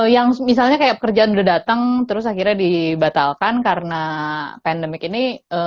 yang misalnya kayak kekerjaan udah dateng terus akhirnya dibatalkan karena pandemic ini